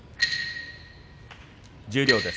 十両です。